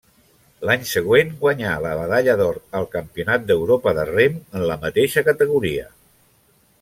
L'any següent guanyà la medalla d'or al Campionat d'Europa de rem en la mateixa categoria.